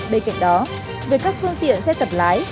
bên cạnh đó về các phương tiện xe tập lái